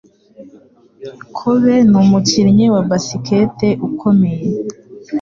kobe numikinnyi wa basikete ukomeye